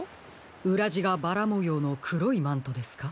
うらじがバラもようのくろいマントですか？